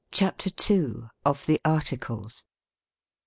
25 CHAPTER II. OF THE ARTICLES.